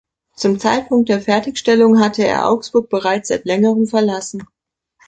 Zum Zeitpunkt der Fertigstellung hatte er Augsburg bereits seit längerem verlassen.